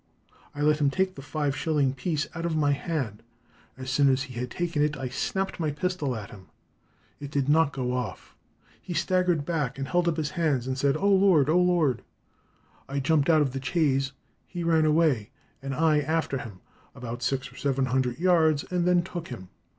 I let him take the five shilling piece out of my hand. As soon as he had taken it I snapped my pistol at him. It did not go off. He staggered back and held up his hands, and said, 'Oh, Lord! oh, Lord!' I jumped out of the chaise; he ran away, and I after him about six or seven hundred yards, and then took him.